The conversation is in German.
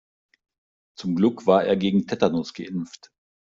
Zum Glück war er gegen Tetanus geimpft.